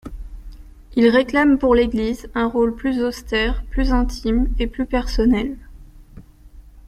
Ils réclament pour l'Église un rôle plus austère, plus intime et plus personnel.